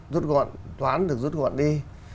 rút gọn toán được rút gọn đi